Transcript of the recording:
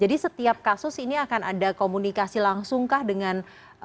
jadi setiap kasus ini akan ada komunikasi langsung kah dengan